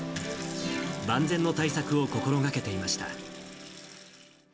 万全の対策を心がけていました。